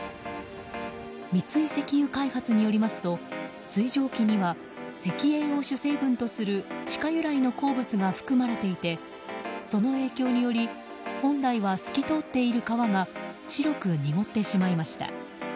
三井石油開発によりますと水蒸気には石英を主成分とする地下由来の鉱物が含まれていてその影響により本来は透き通っている川が白く濁ってしまいました。